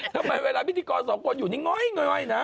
ทำไมเวลาพิธีกรสองคนอยู่นี่ง่อยนะ